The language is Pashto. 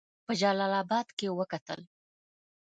په جلا آباد کې وکتل.